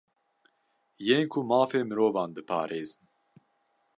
Yên ku mafê mirovan diparêzin